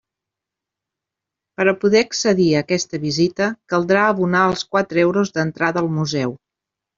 Per a poder accedir a aquesta visita caldrà abonar els quatre euros d'entrada al Museu.